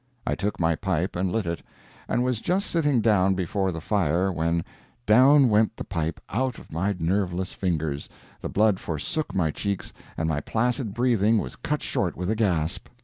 I took my pipe and lit it, and was just sitting down before the fire, when down went the pipe out of my nerveless fingers, the blood forsook my cheeks, and my placid breathing was cut short with a gasp!